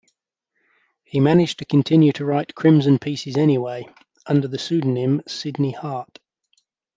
He managed to continue to write Crimson pieces anyway, under the pseudonym Sidney Hart.